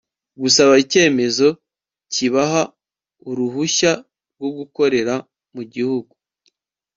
gusaba icyemezo kibaha uruhushya rwo gukorera mu gihugu